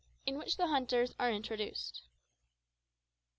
IN WHICH THE HUNTERS ARE INTRODUCED.